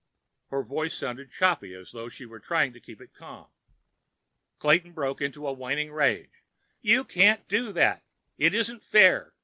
Her voice sounded choppy, as though she were trying to keep it calm. Clayton broke into a whining rage. "You can't do that! It isn't fair!